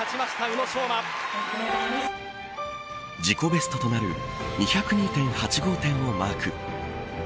自己ベストとなる２０２．８５点をマーク。